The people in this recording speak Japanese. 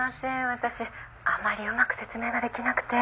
私あまりうまく説明ができなくて。